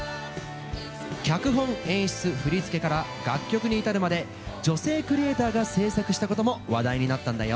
脚本演出振り付けから楽曲に至るまで女性クリエーターが制作したことも話題になったんだよ。